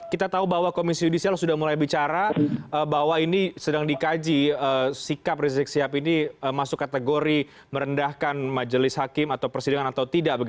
kita tahu bahwa komisi judisial sudah mulai bicara bahwa ini sedang dikaji sikap rizik sihab ini masuk kategori merendahkan majelis hakim atau persidangan atau tidak